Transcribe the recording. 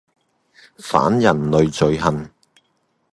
反人類罪行